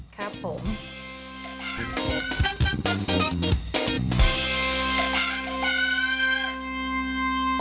ครับผม